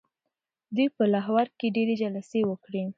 دوی په لاهور کي ډیري جلسې وکړې.